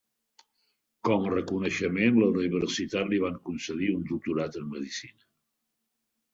Com a reconeixement, la universitat li van concedir un Doctorat en Medicina.